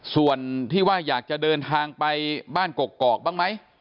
ส่วนที่ว่าอยากจะเดินทางไปบ้านกกอกบ้างไหม